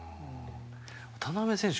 渡邊選手